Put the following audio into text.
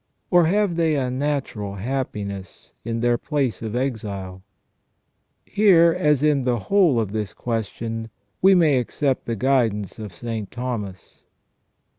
Or have they a natural happiness in their place of exile ? Here, as in the whole of this question, we may accept the guidance of St. Thomas.